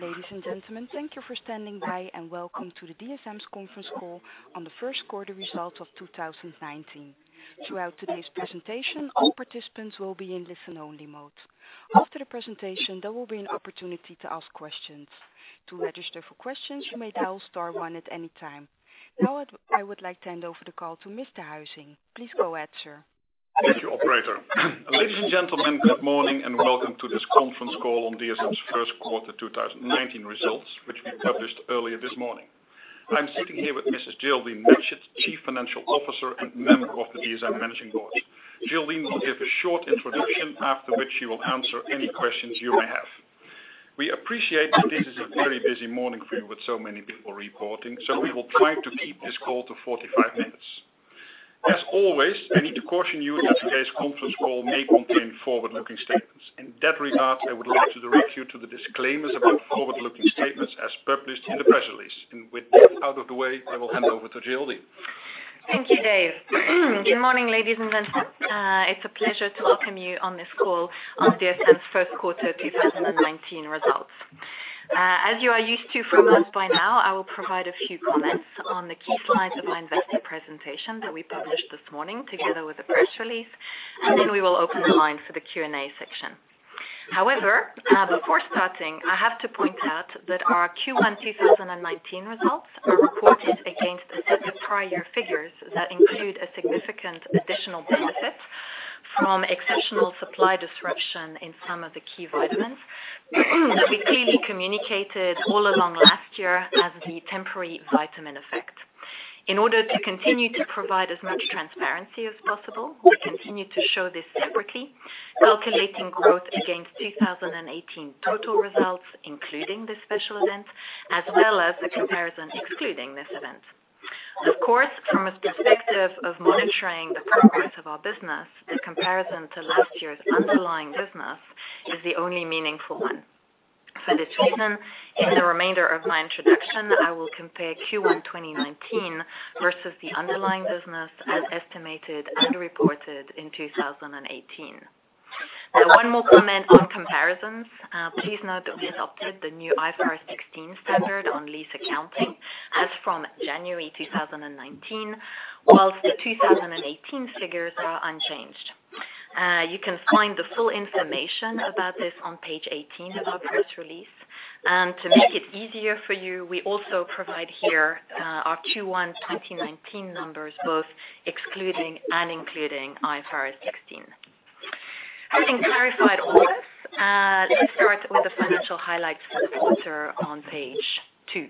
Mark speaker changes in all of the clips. Speaker 1: Ladies and gentlemen, thank you for standing by, and welcome to DSM's conference call on the first quarter results of 2019. Throughout today's presentation, all participants will be in listen-only mode. After the presentation, there will be an opportunity to ask questions. To register for questions, you may dial star one at any time. Now, I would like to hand over the call to Mr. Huizing. Please go ahead, sir.
Speaker 2: Thank you, operator. Ladies and gentlemen, good morning and welcome to this conference call on DSM's first quarter 2019 results, which we published earlier this morning. I'm sitting here with Mrs. Geraldine Matchett, Chief Financial Officer and member of the DSM Managing Board. Geraldine will give a short introduction, after which she will answer any questions you may have. We appreciate that this is a very busy morning for you with so many people reporting, so we will try to keep this call to 45 minutes. As always, I need to caution you that today's conference call may contain forward-looking statements. In that regard, I would like to direct you to the disclaimers about forward-looking statements as published in the press release. With that out of the way, I will hand over to Geraldine.
Speaker 3: Thank you, Dave. Good morning, ladies and gentlemen. It's a pleasure to welcome you on this call on DSM's first quarter 2019 results. As you are used to from us by now, I will provide a few comments on the key slides of our investor presentation that we published this morning together with the press release, then we will open the line for the Q&A section. Before starting, I have to point out that our Q1 2019 results are reported against a set of prior figures that include a significant additional benefit from exceptional supply disruption in some of the key vitamins that we clearly communicated all along last year as the temporary vitamin effect. In order to continue to provide as much transparency as possible, we continue to show this separately, calculating growth against 2018 total results, including this special event, as well as the comparison excluding this event. Of course, from a perspective of monitoring the progress of our business, the comparison to last year's underlying business is the only meaningful one. For this reason, in the remainder of my introduction, I will compare Q1 2019 versus the underlying business as estimated and reported in 2018. Now, one more comment on comparisons. Please note that we adopted the new IFRS 16 standard on lease accounting as from January 2019, whilst the 2018 figures are unchanged. You can find the full information about this on page 18 of our press release. To make it easier for you, we also provide here our Q1 2019 numbers, both excluding and including IFRS 16. Having clarified all this, let's start with the financial highlights for the quarter on page two.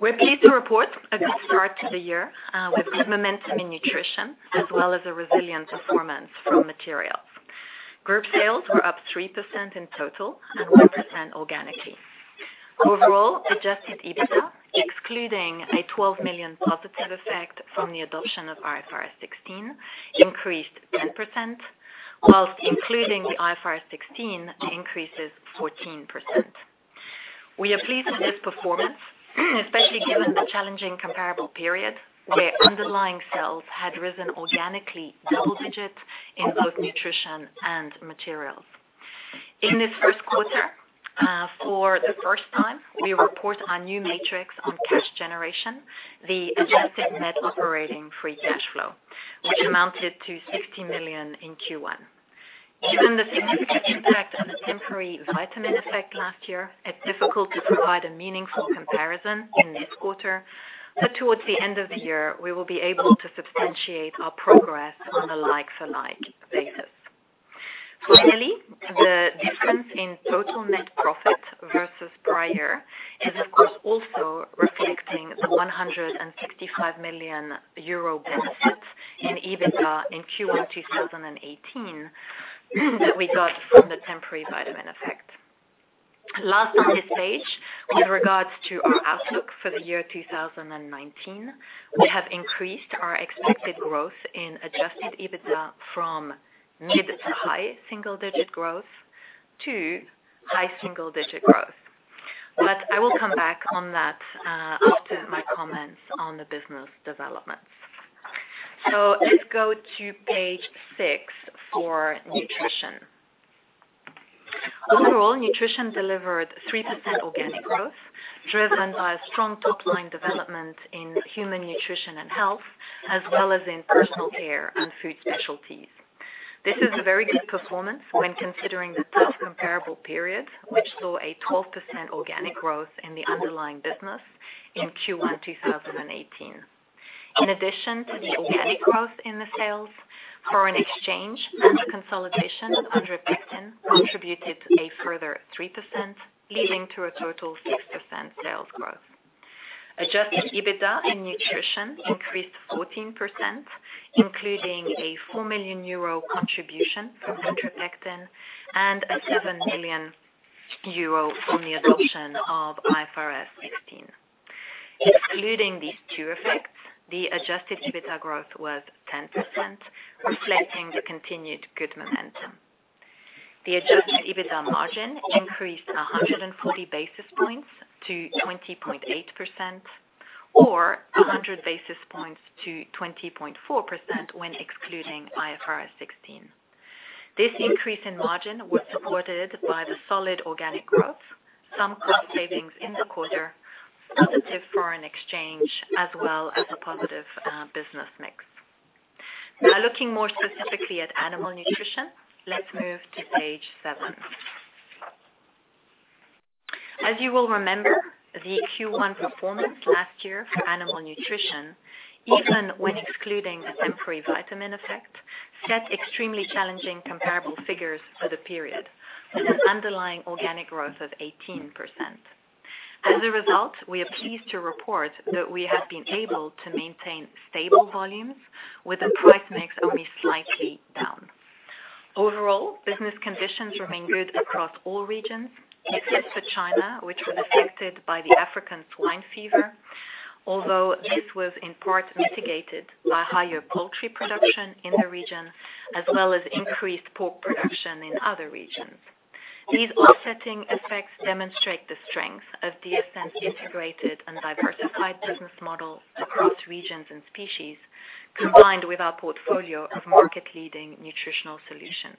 Speaker 3: We are pleased to report a good start to the year with good momentum in nutrition as well as a resilient performance from materials. Group sales were up 3% in total and 1% organically. Overall, Adjusted EBITDA, excluding a 12 million positive effect from the adoption of IFRS 16, increased 10%, whilst including the IFRS 16 increases 14%. We are pleased with this performance, especially given the challenging comparable period, where underlying sales had risen organically double digits in both nutrition and materials. In this first quarter, for the first time, we report our new matrix on cash generation, the Adjusted Net Operating Free Cash Flow, which amounted to 60 million in Q1. Given the significant impact of the temporary vitamin effect last year, it is difficult to provide a meaningful comparison in this quarter. Towards the end of the year, we will be able to substantiate our progress on a like-for-like basis. Finally, the difference in total net profit versus prior is, of course, also reflecting the 165 million euro benefit in EBITDA in Q1 2018 that we got from the temporary vitamin effect. Last on this page, with regards to our outlook for the year 2019, we have increased our expected growth in Adjusted EBITDA from mid to high single-digit growth to high single-digit growth. I will come back on that after my comments on the business developments. Let's go to page six for nutrition. Overall, nutrition delivered 3% organic growth, driven by a strong top-line development in human nutrition and health, as well as in personal care and food specialties. This is a very good performance when considering the tough comparable period, which saw a 12% organic growth in the underlying business in Q1 2018. In addition to the organic growth in the sales, foreign exchange and consolidation of Andre Pectin contributed a further 3%, leading to a total 6% sales growth. Adjusted EBITDA in nutrition increased 14%, including a 4 million euro contribution from Andre Pectin and a 7 million euro from the adoption of IFRS 16. Excluding these two effects, the Adjusted EBITDA growth was 10%, reflecting the continued good momentum. The Adjusted EBITDA margin increased 140 basis points to 20.8%. Or 100 basis points to 20.4% when excluding IFRS 16. This increase in margin was supported by the solid organic growth, some cost savings in the quarter, positive foreign exchange, as well as a positive business mix. Looking more specifically at animal nutrition, let's move to page seven. As you will remember, the Q1 performance last year for animal nutrition, even when excluding a temporary vitamin effect, set extremely challenging comparable figures for the period, with an underlying organic growth of 18%. As a result, we are pleased to report that we have been able to maintain stable volumes with a price mix only slightly down. Overall, business conditions remain good across all regions, except for China, which was affected by the African swine fever, although this was in part mitigated by higher poultry production in the region, as well as increased pork production in other regions. These offsetting effects demonstrate the strength of DSM's integrated and diversified business model across regions and species, combined with our portfolio of market-leading nutritional solutions.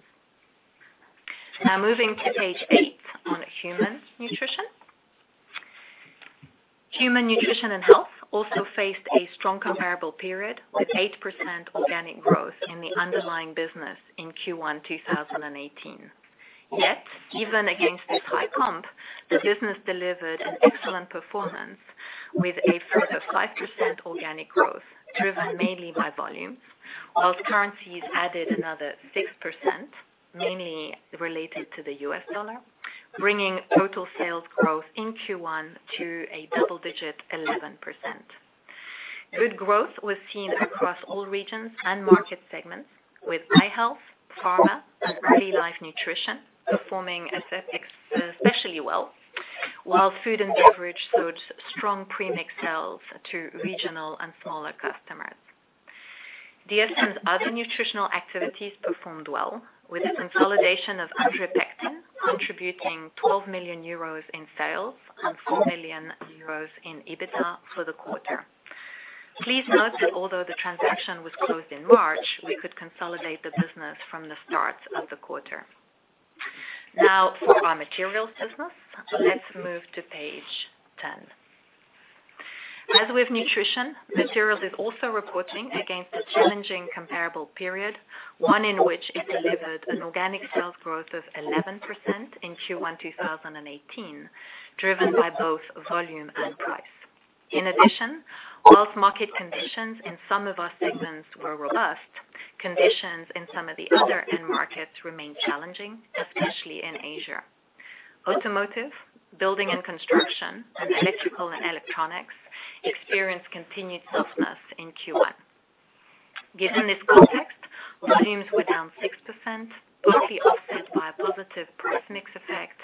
Speaker 3: Moving to page eight on human nutrition. Human nutrition and health also faced a strong comparable period, with 8% organic growth in the underlying business in Q1 2018. Yet, even against this high comp, the business delivered an excellent performance with a further 5% organic growth, driven mainly by volumes, while currencies added another 6%, mainly related to the US dollar, bringing total sales growth in Q1 to a double-digit 11%. Good growth was seen across all regions and market segments, with eye health, pharma, and early life nutrition performing especially well, while food and beverage showed strong premix sales to regional and smaller customers. DSM's other nutritional activities performed well, with the consolidation of Andre Pectin contributing 12 million euros in sales and 4 million euros in EBITDA for the quarter. Please note that although the transaction was closed in March, we could consolidate the business from the start of the quarter. For our materials business, let's move to page 10. As with nutrition, materials is also reporting against a challenging comparable period, one in which it delivered an organic sales growth of 11% in Q1 2018, driven by both volume and price. In addition, whilst market conditions in some of our segments were robust, conditions in some of the other end markets remain challenging, especially in Asia. Automotive, building and construction, and electrical and electronics experienced continued softness in Q1. Given this context, volumes were down 6%, partly offset by a positive price mix effect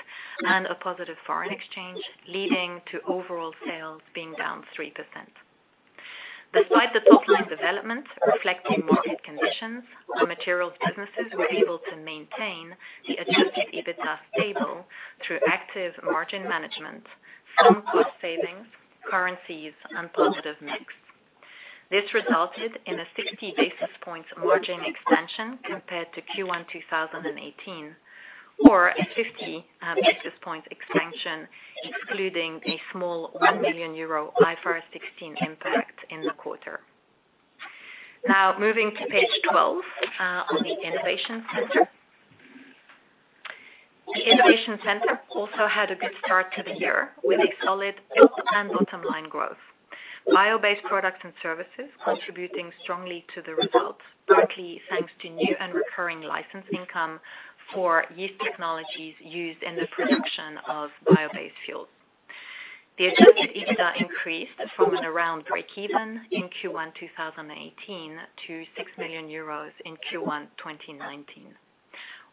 Speaker 3: and a positive foreign exchange, leading to overall sales being down 3%. Despite the top-line development reflecting market conditions, our materials businesses were able to maintain the adjusted EBITDA stable through active margin management, some cost savings, currencies, and positive mix. This resulted in a 60 basis points margin expansion compared to Q1 2018, or a 50 basis points expansion, excluding a small 1 million euro IFRS 16 impact in the quarter. Moving to page 12 on the Innovation Center. The Innovation Center also had a good start to the year with a solid top and bottom line growth. Bio-based products and services contributing strongly to the results, partly thanks to new and recurring license income for yeast technologies used in the production of bio-based fuels. The adjusted EBITDA increased from around breakeven in Q1 2018 to 6 million euros in Q1 2019.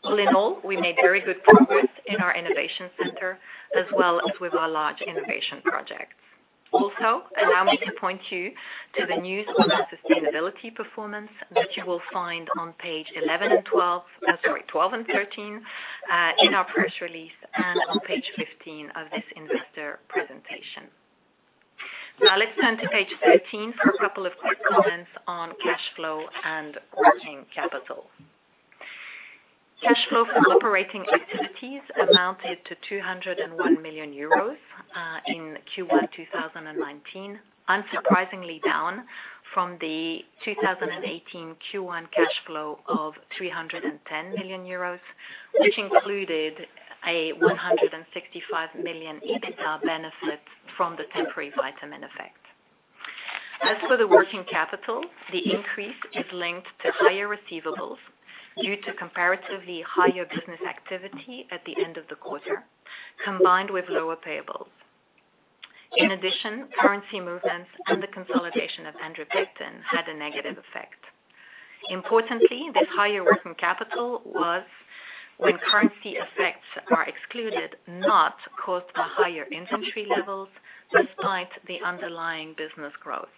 Speaker 3: All in all, we made very good progress in our Innovation Center, as well as with our large innovation projects. Allow me to point you to the news on our sustainability performance that you will find on page 11 and 12, sorry, 12 and 13 in our press release and on page 15 of this investor presentation. Let's turn to page 13 for a couple of quick comments on cash flow and working capital. Cash flow from operating activities amounted to 201 million euros in Q1 2019, unsurprisingly down from the 2018 Q1 cash flow of 310 million euros, which included a 165 million EBITDA benefit from the temporary vitamin effect. As for the working capital, the increase is linked to higher receivables due to comparatively higher business activity at the end of the quarter, combined with lower payables. In addition, currency movements and the consolidation of Andre Pectin had a negative effect. Importantly, this higher working capital was, when currency effects are excluded, not caused by higher inventory levels despite the underlying business growth.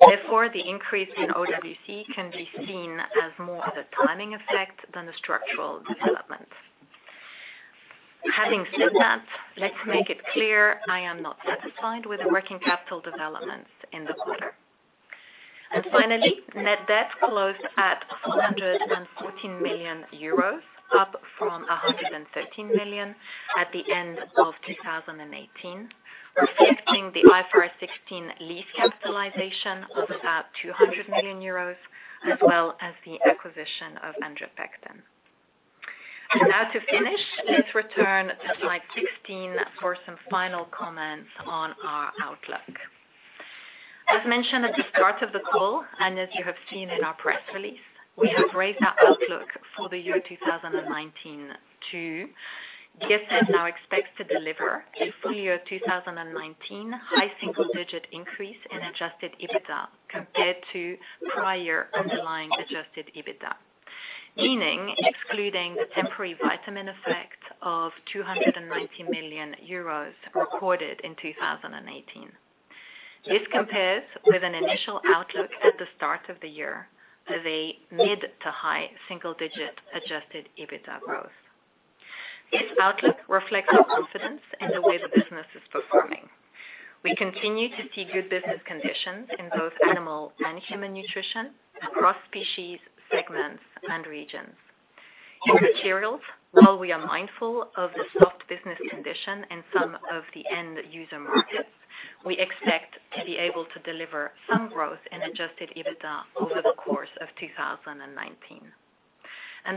Speaker 3: Therefore, the increase in OWC can be seen as more of a timing effect than a structural development. Having said that, let's make it clear I am not satisfied with the working capital developments in the quarter. Finally, net debt closed at 114 million euros, up from 113 million at the end of 2018, reflecting the IFRS 16 lease capitalization of about 200 million euros, as well as the acquisition of Andre Pectin. Now to finish, let's return to slide 16 for some final comments on our outlook. As mentioned at the start of the call, and as you have seen in our press release, we have raised our outlook for the year 2019 to DSM now expects to deliver a full year 2019 high single-digit increase in adjusted EBITDA compared to prior underlying adjusted EBITDA. Meaning excluding the temporary vitamin effect of 290 million euros recorded in 2018. This compares with an initial outlook at the start of the year of a mid to high single-digit adjusted EBITDA growth. This outlook reflects our confidence in the way the business is performing. We continue to see good business conditions in both animal and human nutrition across species, segments, and regions. In Materials, while we are mindful of the soft business condition in some of the end user markets, we expect to be able to deliver some growth in adjusted EBITDA over the course of 2019.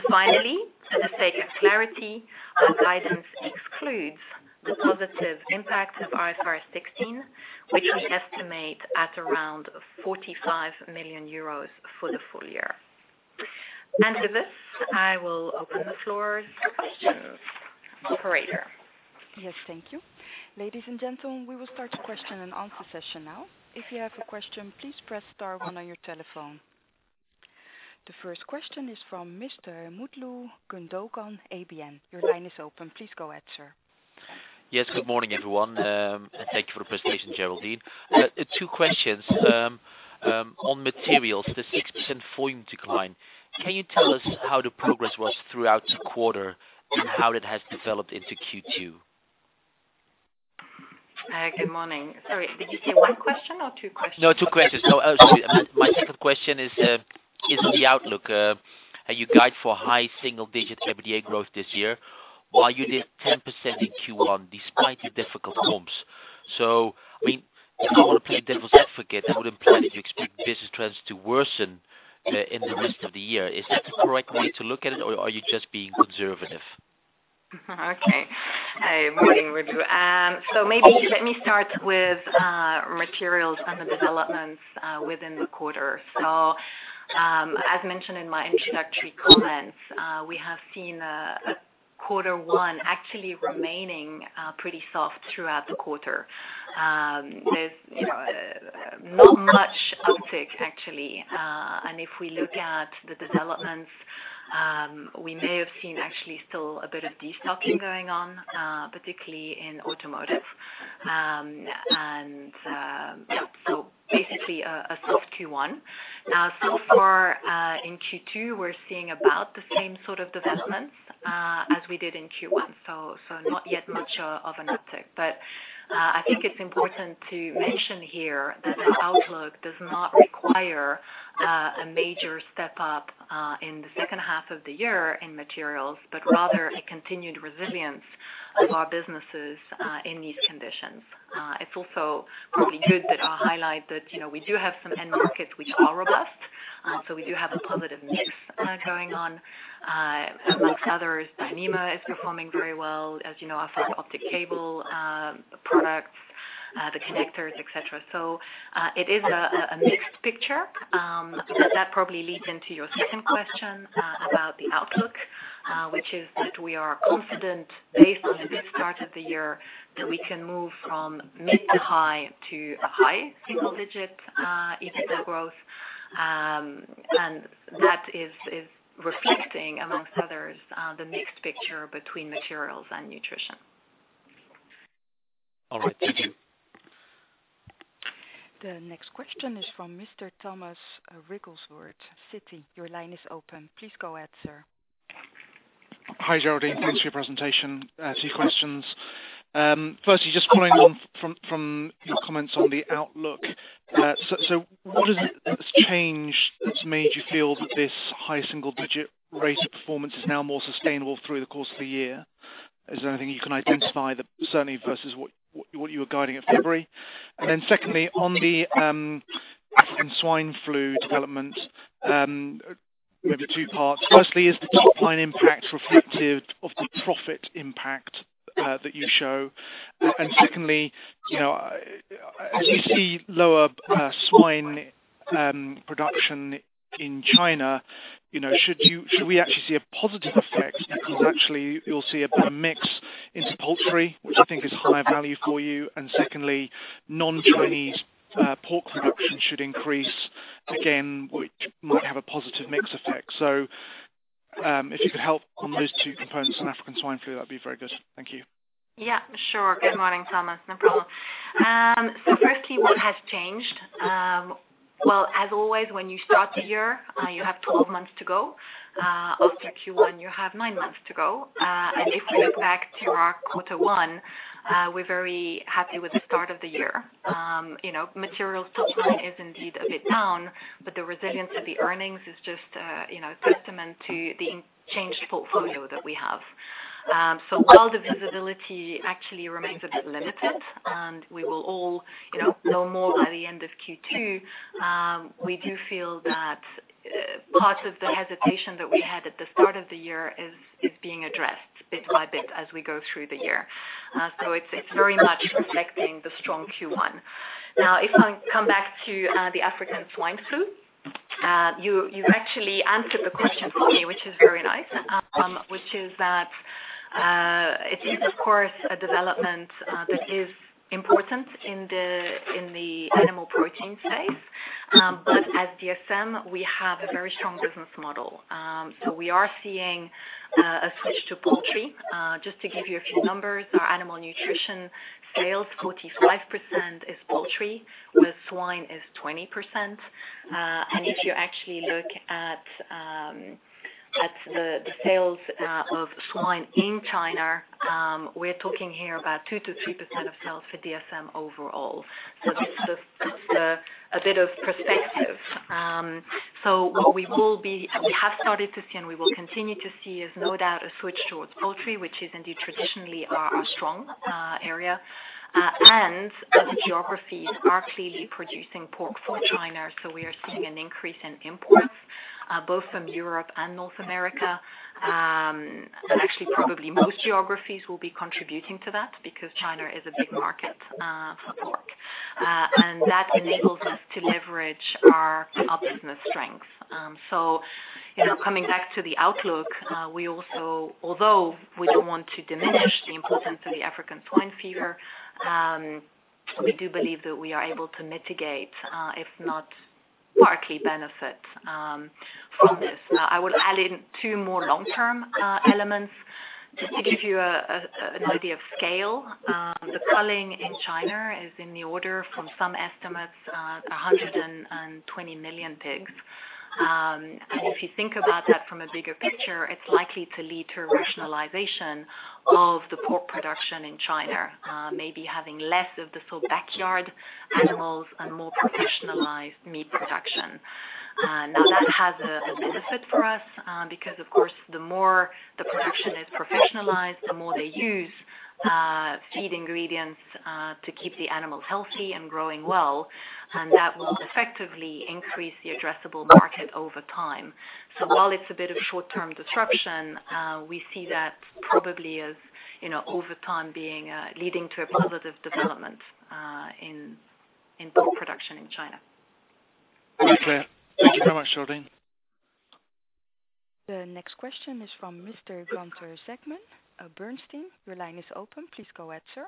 Speaker 3: Finally, for the sake of clarity, our guidance excludes the positive impact of IFRS 16, which we estimate at around 45 million euros for the full year. With this, I will open the floor to questions. Operator.
Speaker 1: Yes. Thank you. Ladies and gentlemen, we will start the question and answer session now. If you have a question, please press star one on your telephone. The first question is from Mr. Mutlu Gündoğan, ABN. Your line is open. Please go ahead, sir.
Speaker 4: Yes, good morning, everyone. Thank you for the presentation, Geraldine. Two questions. On Materials, the 6% volume decline. Can you tell us how the progress was throughout the quarter and how that has developed into Q2?
Speaker 3: Good morning. Sorry, did you say one question or two questions?
Speaker 4: No, two questions. My second question is on the outlook. You guide for high single-digit EBITDA growth this year, while you did 10% in Q1 despite the difficult comps. I mean, if I want to play devil's advocate, that would imply that you expect business trends to worsen in the rest of the year. Is that the correct way to look at it, or are you just being conservative?
Speaker 3: Okay. Morning, Mutlu. Maybe let me start with Materials and the developments within the quarter. As mentioned in my introductory comments, we have seen quarter one actually remaining pretty soft throughout the quarter. There's not much uptick actually. If we look at the developments, we may have seen actually still a bit of destocking going on, particularly in automotive. Basically a soft Q1. So far in Q2, we're seeing about the same sort of developments as we did in Q1. Not yet much of an uptick. I think it's important to mention here that an outlook does not require a major step up in the second half of the year in Materials, but rather a continued resilience of our businesses in these conditions. It's also probably good that I highlight that we do have some end markets which are robust. We do have a positive mix going on. Amongst others, Dyneema is performing very well. As you know, our fiber optic cable products, the connectors, et cetera. It is a mixed picture. That probably leads into your second question about the outlook, which is that we are confident based on the good start of the year that we can move from mid to high to a high single-digit EBITDA growth. That is reflecting, amongst others, the mixed picture between Materials and Nutrition.
Speaker 4: All right. Thank you.
Speaker 1: The next question is from Mr. Thomas Wriglesworth, Citi. Your line is open. Please go ahead, sir.
Speaker 5: Hi, Geraldine. Thanks for your presentation. Two questions. Firstly, just following on from your comments on the outlook. What is it that's changed that's made you feel that this high single-digit rate of performance is now more sustainable through the course of the year? Is there anything you can identify, certainly versus what you were guiding at February? Secondly, on the African swine fever development, maybe two parts. Firstly, is the top-line impact reflective of the profit impact that you show? Secondly, as you see lower swine production in China, should we actually see a positive effect because actually you'll see a better mix into poultry, which I think is higher value for you? Secondly, non-Chinese pork production should increase again, which might have a positive mix effect. If you could help on those two components on African swine fever, that would be very good. Thank you.
Speaker 3: Yeah, sure. Good morning, Thomas. No problem. Firstly, what has changed? Well, as always, when you start the year, you have 12 months to go. After Q1, you have nine months to go. If we look back to our quarter one, we are very happy with the start of the year. Materials top line is indeed a bit down, but the resilience of the earnings is just a testament to the changed portfolio that we have. While the visibility actually remains a bit limited, we will all know more by the end of Q2, we do feel that part of the hesitation that we had at the start of the year is being addressed bit by bit as we go through the year. It is very much reflecting the strong Q1. If I come back to the African swine fever. You actually answered the question for me, which is very nice, which is that it is, of course, a development that is important in the animal protein space. As DSM, we have a very strong business model. We are seeing a switch to poultry. Just to give you a few numbers, our animal nutrition sales, 45% is poultry, with swine is 20%. If you actually look at the sales of swine in China, we are talking here about 2%-3% of sales for DSM overall. That is a bit of perspective. What we have started to see, and we will continue to see, is no doubt a switch towards poultry, which is indeed traditionally our strong area. Other geographies are clearly producing pork for China, so we are seeing an increase in imports, both from Europe and North America. Actually, probably most geographies will be contributing to that because China is a big market for pork. That enables us to leverage our business strength. Coming back to the outlook, although we do not want to diminish the importance of the African swine fever, we do believe that we are able to mitigate, if not partly benefit from this. I will add in two more long-term elements just to give you an idea of scale. The culling in China is in the order from some estimates, 120 million pigs. If you think about that from a bigger picture, it is likely to lead to a rationalization of the pork production in China, maybe having less of the backyard animals and more professionalized meat production. That has a benefit for us because, of course, the more the production is professionalized, the more they use feed ingredients to keep the animals healthy and growing well, and that will effectively increase the addressable market over time. While it's a bit of short-term disruption, we see that probably as over time leading to a positive development in pork production in China.
Speaker 5: Very clear. Thank you very much, Geraldine.
Speaker 1: The next question is from Mr. Gunther Zechmann of Bernstein. Your line is open. Please go ahead, sir.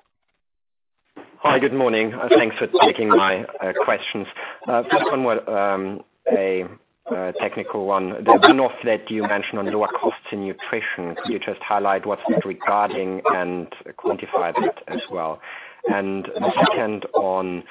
Speaker 6: Hi. Good morning. Thanks for taking my questions. First one was a technical one. The win of that you mentioned on lower cost in nutrition. Can you just highlight what's that regarding and quantify that as well? The second on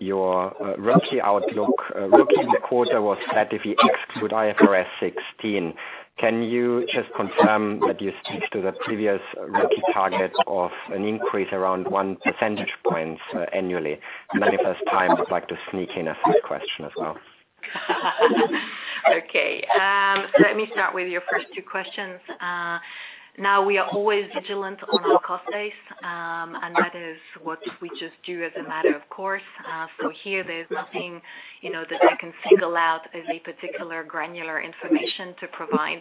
Speaker 6: your ROCE outlook. ROCE quarter was flat if you exclude IFRS 16. Can you just confirm that you stick to the previous ROCE target of an increase around one percentage points annually? If there's time, I'd like to sneak in a third question as well.
Speaker 3: Let me start with your first two questions. We are always vigilant on our cost base, that is what we just do as a matter of course. Here, there's nothing that I can single out as a particular granular information to provide.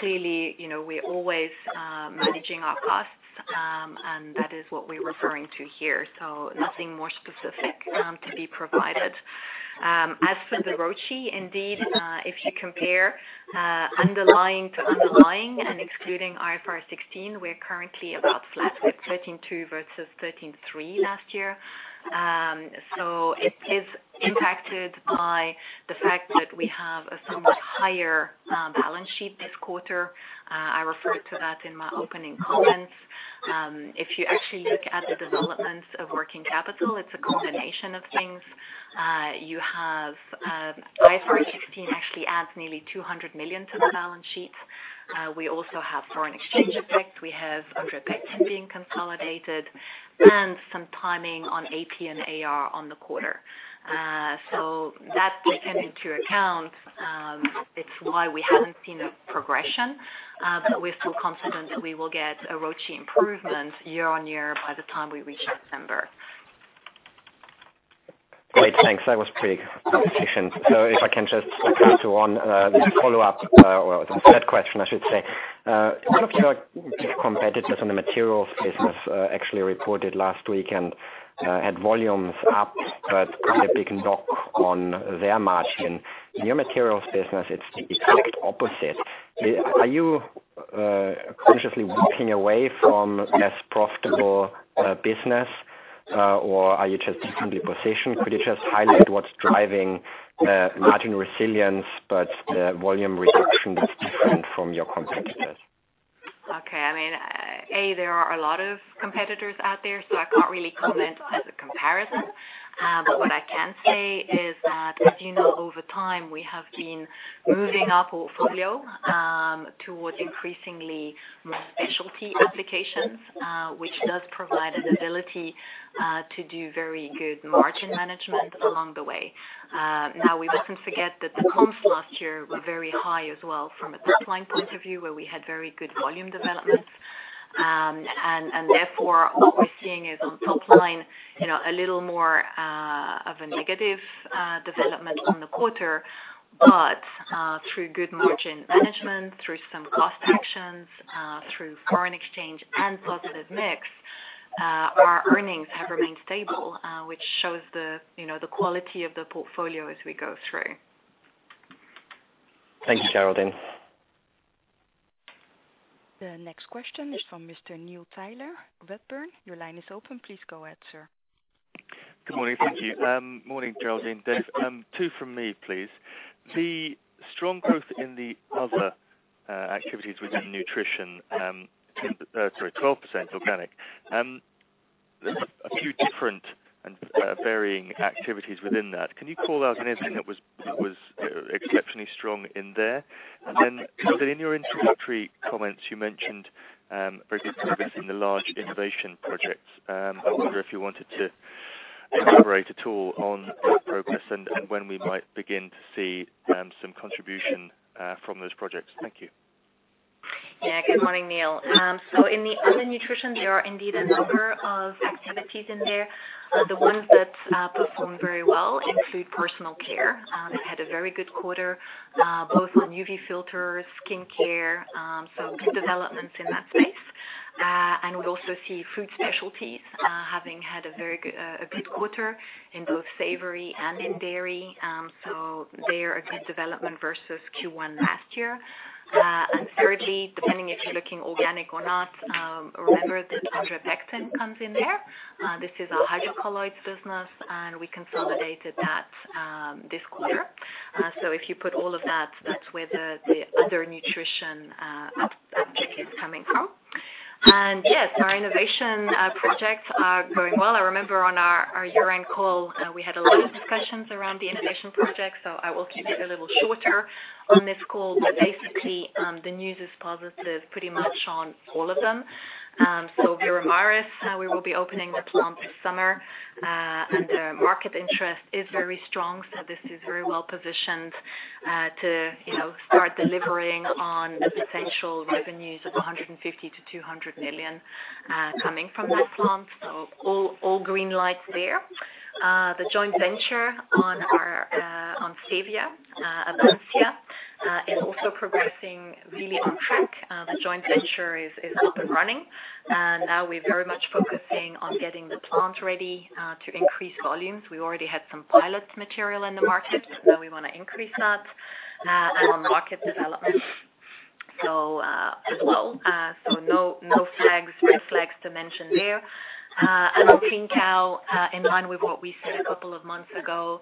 Speaker 3: Clearly, we're always managing our costs, and that is what we're referring to here. Nothing more specific to be provided. As for the ROCE, indeed, if you compare underlying to underlying and excluding IFRS 16, we're currently about flat with 13.2 versus 13.3 last year. It is impacted by the fact that we have a somewhat higher balance sheet this quarter. I referred to that in my opening comments. If you actually look at the development of working capital, it's a combination of things. IFRS 16 actually adds nearly 200 million to the balance sheet. We also have foreign exchange effect. We have Andre Pectin being consolidated, some timing on AP and AR on the quarter. That taken into account, it's why we haven't seen a progression, but we're still confident that we will get a ROCE improvement year-over-year by the time we reach December.
Speaker 6: Great. Thanks. That was pretty efficient. If I can just go to one, the follow-up or the third question, I should say. One of your big competitors in the materials business actually reported last week, had volumes up, quite a big knock on their margin. In your materials business, it's the exact opposite. Are you consciously walking away from less profitable business? Or are you just decently positioned? Could you just highlight what's driving margin resilience, but volume reduction that's different from your competitors?
Speaker 3: There are a lot of competitors out there, I can't really comment as a comparison. What I can say is that, as you know, over time, we have been moving our portfolio towards increasingly more specialty applications which does provide an ability to do very good margin management along the way. We mustn't forget that the comps last year were very high as well from a top-line point of view, where we had very good volume development. Therefore, what we're seeing is on top line, a little more of a negative development on the quarter. Through good margin management, through some cost actions, through foreign exchange and positive mix, our earnings have remained stable, which shows the quality of the portfolio as we go through.
Speaker 6: Thanks, Geraldine.
Speaker 1: The next question is from Mr. Neil Tyler, Redburn. Your line is open. Please go ahead, sir.
Speaker 7: Good morning. Thank you. Morning, Geraldine. Two from me, please. The strong growth in the other activities within nutrition, sorry, 12% organic. There is a few different and varying activities within that. Can you call out anything that was exceptionally strong in there? Then, in your introductory comments, you mentioned very good progress in the large innovation projects. I wonder if you wanted to elaborate at all on that progress and when we might begin to see some contribution from those projects. Thank you.
Speaker 3: Yeah. Good morning, Neil. In the other nutrition, there are indeed a number of activities in there. The ones that perform very well include personal care. They had a very good quarter, both on UV filters, skincare, good developments in that space. We also see food specialties having had a good quarter in both savory and in dairy. They are a good development versus Q1 last year. Thirdly, depending if you are looking organic or not, remember that Andre Pectin comes in there. This is our hydrocolloids business, and we consolidated that this quarter. If you put all of that is where the other nutrition uptick is coming from. Yes, our innovation projects are going well. I remember on our year-end call, we had a lot of discussions around the innovation project, so I will keep it a little shorter on this call. Basically, the news is positive pretty much on all of them. Veramaris, we will be opening the plant this summer. The market interest is very strong, so this is very well-positioned to start delivering on the potential revenues of 150 million-200 million coming from that plant. All green lights there. The joint venture on stevia, Avansya, is also progressing really on track. The joint venture is up and running. We're very much focusing on getting the plant ready to increase volumes. We already had some pilot material in the market. We want to increase that and on market development as well. No red flags to mention there. On Project Clean Cow, in line with what we said a couple of months ago,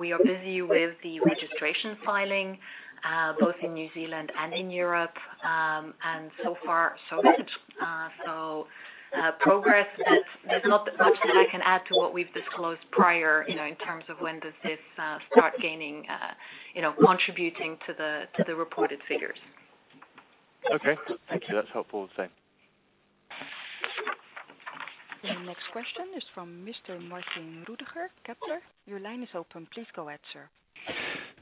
Speaker 3: we are busy with the registration filing, both in New Zealand and in Europe, and so far so good. Progress. There's not much that I can add to what we've disclosed prior in terms of when does this start contributing to the reported figures.
Speaker 7: Okay. Thank you. That's helpful. Thanks.
Speaker 1: The next question is from Mr. Martin Ruediger, Kepler. Your line is open. Please go ahead, sir.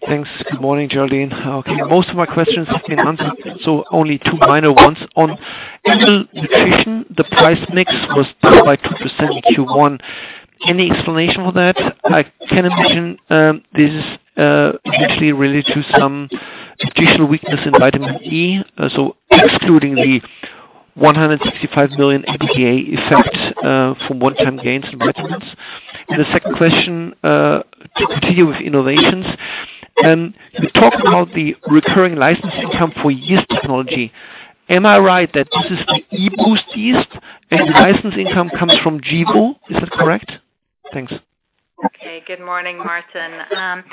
Speaker 8: Thanks. Good morning, Geraldine. Okay. Most of my questions have been answered, only two minor ones. On animal nutrition, the price mix was down by 2% in Q1. Any explanation for that? I can imagine this is actually related to some additional weakness in vitamin E. Excluding the 165 million EBITDA effect from one-time gains in vitamins. The second question, to continue with innovations. You talk about the recurring license income for yeast technology. Am I right that this is the eBOOST™ yeast and the license income comes from Gevo, Inc. Is that correct? Thanks.
Speaker 3: Okay. Good morning, Martin.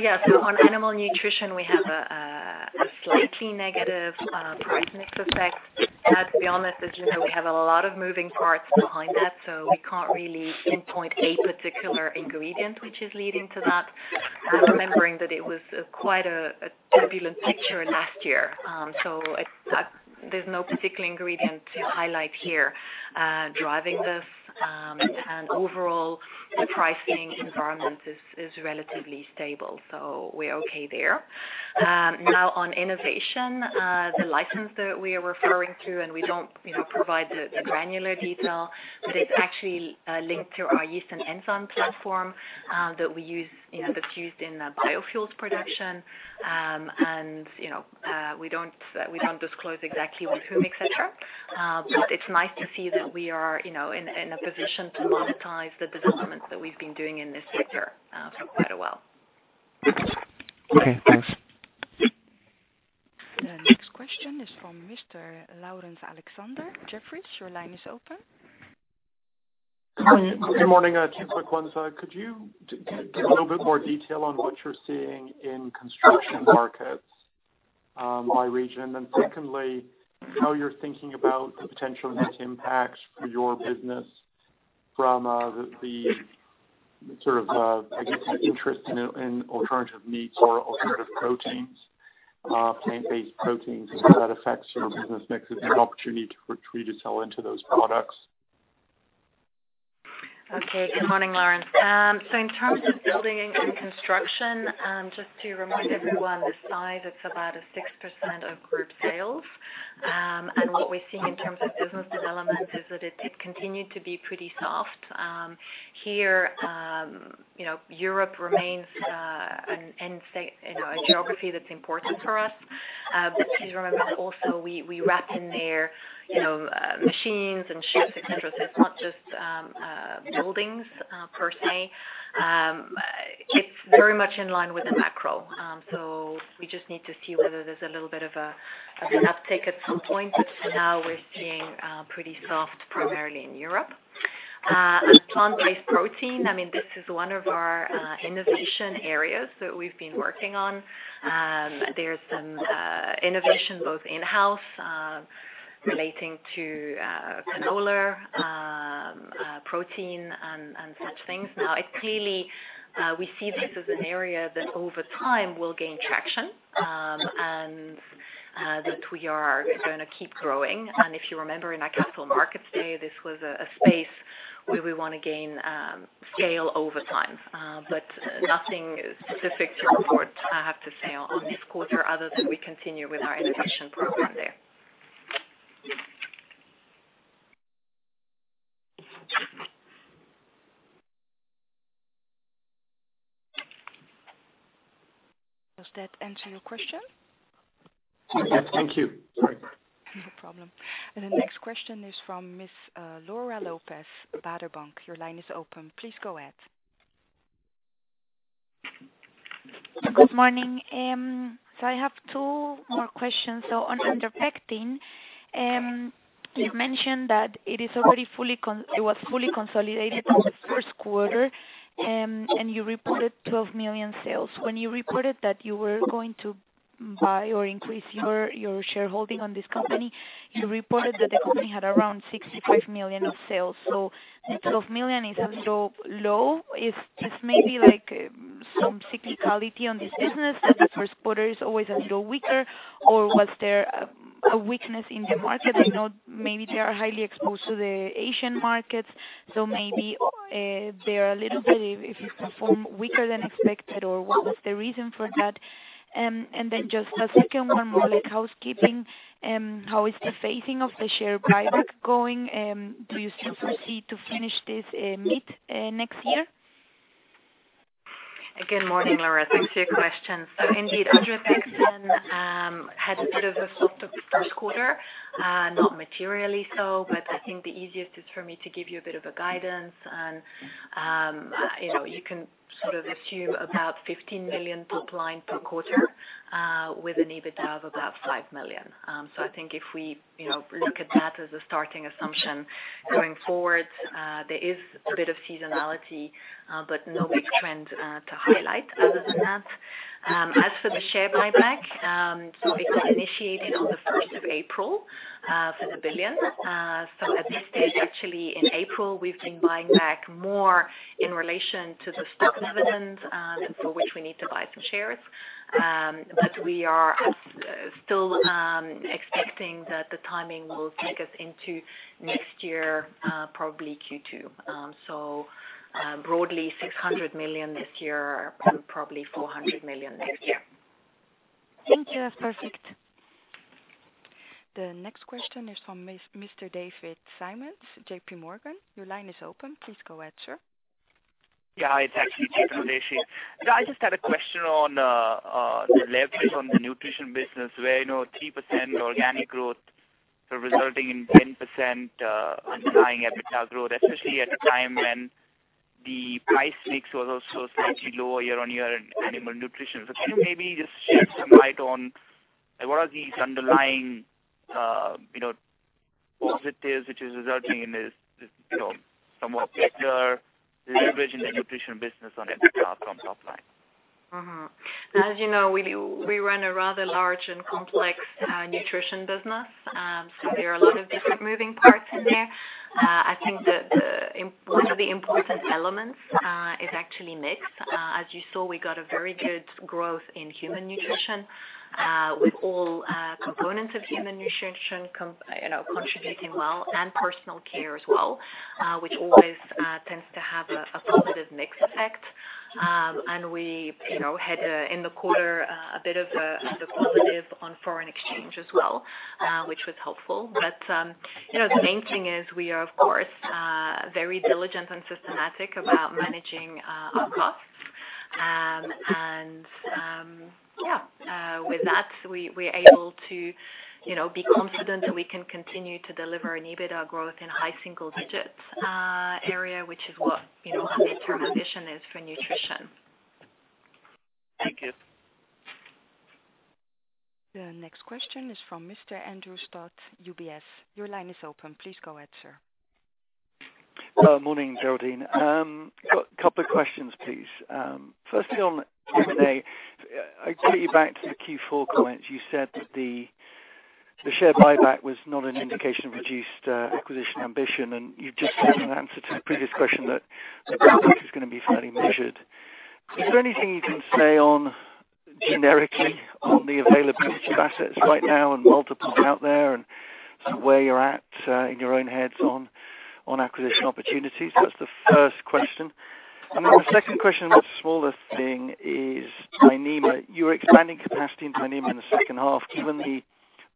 Speaker 3: Yes, on animal nutrition, we have a slightly negative price mix effect. To be honest, as you know, we have a lot of moving parts behind that, we can't really pinpoint a particular ingredient which is leading to that. Remembering that it was quite a turbulent picture last year. There's no particular ingredient to highlight here driving this. Overall, the pricing environment is relatively stable, we're okay there. Now on innovation, the license that we are referring to, we don't provide the granular detail, but it's actually linked to our yeast and enzyme platform that's used in biofuels production. We don't disclose exactly with whom, et cetera. It's nice to see that we are in a position to monetize the developments that we've been doing in this sector for quite a while.
Speaker 8: Okay, thanks.
Speaker 1: From Mr. Laurence Alexander, Jefferies. Your line is open.
Speaker 9: Good morning. Two quick ones. Could you give a little bit more detail on what you're seeing in construction markets by region? Secondly, how you're thinking about the potential net impact for your business from the interest in alternative meats or alternative proteins, plant-based proteins, how that affects your business mix and the opportunity for pea to sell into those products.
Speaker 3: Okay. Good morning, Laurence. In terms of building and construction, just to remind everyone, the size, it's about a 6% of group sales. What we're seeing in terms of business development is that it continued to be pretty soft. Here, Europe remains a geography that's important for us. Please remember also we wrap in there machines and ships, et cetera, so it's not just buildings per se. It's very much in line with the macro. We just need to see whether there's a little bit of an uptick at some point. For now, we're seeing pretty soft primarily in Europe. Plant-based protein, this is one of our innovation areas that we've been working on. There's some innovation both in-house relating to canola, protein, and such things. Now clearly, we see this as an area that over time will gain traction and that we are going to keep growing. If you remember in our capital markets day, this was a space where we want to gain scale over time. Nothing specific to report, I have to say, on this quarter other than we continue with our innovation program there.
Speaker 1: Does that answer your question?
Speaker 9: Yes. Thank you.
Speaker 1: No problem. The next question is from Ms. Laura Lopez, ABN AMRO. Your line is open. Please go ahead.
Speaker 10: Good morning. I have two more questions. On Andre Pectin, you mentioned that it was fully consolidated on the first quarter, and you reported 12 million sales. When you reported that you were going to buy or increase your shareholding on this company, you reported that the company had around 65 million of sales. 12 million is a little low. Is this maybe some cyclicality on this business that the first quarter is always a little weaker? Was there a weakness in the market? I know maybe they are highly exposed to the Asian markets, so maybe they're a little bit, if you perform weaker than expected, or what was the reason for that? Then just a second one, more like housekeeping. How is the phasing of the share buyback going? Do you still proceed to finish this mid-next year?
Speaker 3: Good morning, Laura. Thanks for your question. Indeed, Andre Pectin had a bit of a softer first quarter, not materially so, but I think the easiest is for me to give you a bit of a guidance and you can sort of assume about 15 million top line per quarter, with an EBITDA of about 5 million. I think if we look at that as a starting assumption going forward, there is a bit of seasonality, but no big trend to highlight other than that. As for the share buyback, it was initiated on the 1st of April for the 1 billion. At this stage, actually in April, we've been buying back more in relation to the stock dividends for which we need to buy some shares. We are still expecting that the timing will take us into next year, probably Q2. Broadly 600 million this year, probably 400 million next year.
Speaker 10: Thank you. That's perfect.
Speaker 1: The next question is from Mr. David Simons, J.P. Morgan. Your line is open. Please go ahead, sir.
Speaker 11: It's actually Deepan Ravesia. I just had a question on the leverage on the nutrition business where 3% organic growth resulting in 10% underlying EBITDA growth, especially at a time when the price mix was also slightly lower year-on-year in animal nutrition. Can you maybe just shed some light on what are these underlying positives which is resulting in this somewhat secular leverage in the nutrition business on EBITDA from top line?
Speaker 3: As you know, we run a rather large and complex nutrition business. There are a lot of different moving parts in there. I think that one of the important elements is actually mix. As you saw, we got a very good growth in human nutrition, with all components of human nutrition contributing well, and personal care as well, which always tends to have a positive mix effect. We had in the quarter a bit of a positive on foreign exchange as well, which was helpful. The main thing is we are of course very diligent and systematic about managing our costs. Yeah. With that, we're able to be confident that we can continue to deliver an EBITDA growth in high single digits area, which is what our midterm ambition is for nutrition.
Speaker 2: Thank you.
Speaker 1: The next question is from Mr. Andrew Stott, UBS. Your line is open. Please go ahead, sir.
Speaker 12: Morning, Geraldine. Couple of questions, please. Firstly, on M&A, I go back to the Q4 comments. You said that the share buyback was not an indication of reduced acquisition ambition, and you've just given an answer to the previous question that the buyback is going to be fairly measured. Is there anything you can say generically on the availability of assets right now and multiples out there and sort of where you're at in your own heads on acquisition opportunities? That's the first question. Then the second question, a much smaller thing, is Dyneema. You're expanding capacity in Dyneema in the second half. Given the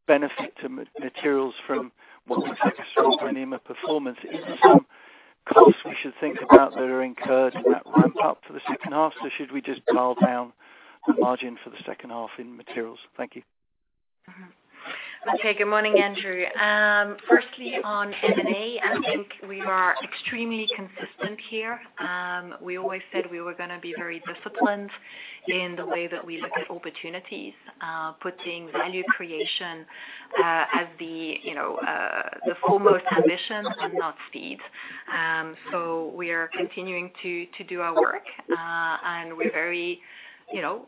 Speaker 12: benefit to materials from what looks like a strong Dyneema performance, is there some cost we should think about that are incurred in that ramp-up to the second half? So should we just dial down the margin for the second half in materials? Thank you.
Speaker 3: Okay. Good morning, Andrew. Firstly, on M&A, I think we are extremely consistent here. We always said we were going to be very disciplined in the way that we look at opportunities, putting value creation as the foremost ambition and not speed. We are continuing to do our work. We're very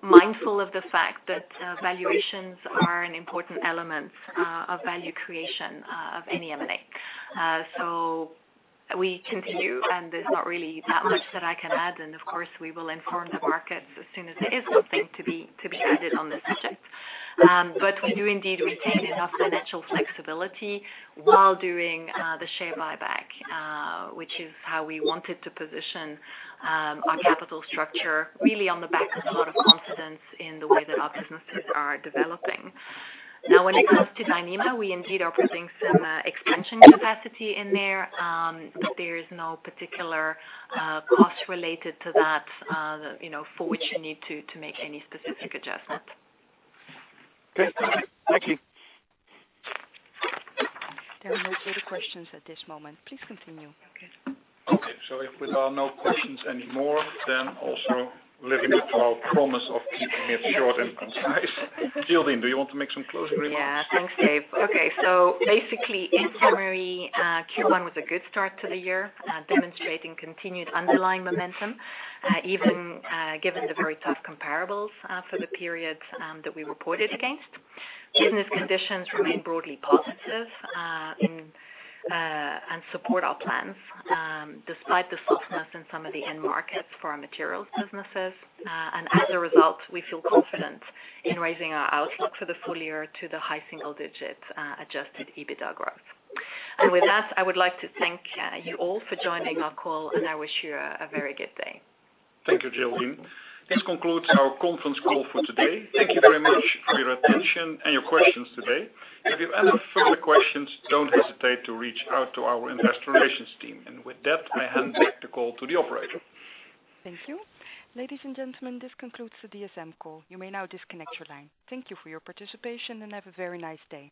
Speaker 3: mindful of the fact that valuations are an important element of value creation of any M&A. We continue, and there's not really that much that I can add, and of course, we will inform the market as soon as there is something to be added on this subject. We do indeed retain enough financial flexibility while doing the share buyback, which is how we wanted to position our capital structure, really on the back of a lot of confidence in the way that our businesses are developing. When it comes to Dyneema, we indeed are putting some expansion capacity in there. There is no particular cost related to that for which you need to make any specific adjustment.
Speaker 12: Okay. Thank you.
Speaker 1: There are no further questions at this moment. Please continue.
Speaker 3: Okay.
Speaker 2: If there are no questions anymore, then also letting it our promise of keeping it short and concise. Geraldine, do you want to make some closing remarks?
Speaker 3: Yeah. Thanks, Dave. In summary, Q1 was a good start to the year, demonstrating continued underlying momentum, even given the very tough comparables for the period that we reported against. Business conditions remain broadly positive and support our plans, despite the softness in some of the end markets for our materials businesses. As a result, we feel confident in raising our outlook for the full year to the high single digits adjusted EBITDA growth. With that, I would like to thank you all for joining our call, and I wish you a very good day.
Speaker 2: Thank you, Geraldine. This concludes our conference call for today. Thank you very much for your attention and your questions today. If you have any further questions, don't hesitate to reach out to our investor relations team. With that, I hand back the call to the operator.
Speaker 1: Thank you. Ladies and gentlemen, this concludes the DSM call. You may now disconnect your line. Thank you for your participation, and have a very nice day.